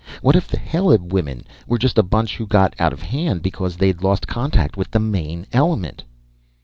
What if the Heleb women were just a bunch who got out of hand because they'd lost contact with the main element?"